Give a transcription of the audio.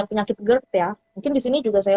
penyakit gerd ya mungkin disini juga saya